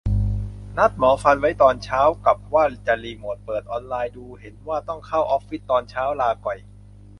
นัดหมอฟันไว้ตอนเช้า กับว่าจะรีโมท เพิ่งเปิดไลน์ดูเห็นว่าต้องเข้าออฟฟิศตอนเช้า ลาก่อย